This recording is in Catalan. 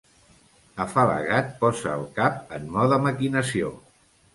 Afalagat, posa el cap en mode maquinació.